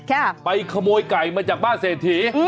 ไปขโมยไก่มาจากบ้านเศรษฐี